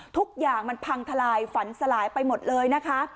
ทุกอย่างมันพังทลายฝันสลายไปหมดเลยนะคะ